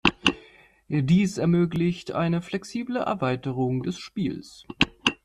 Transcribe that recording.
Dies ermöglicht eine flexible Erweiterung des Spiels.